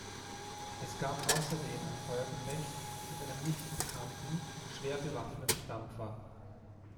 Es gab außerdem ein Feuergefecht mit einem nicht bekannten, schwer bewaffneten Dampfer.